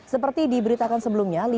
seperti diberitakan sebelumnya